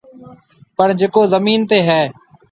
پڻ جڪو زمين تي هيَ۔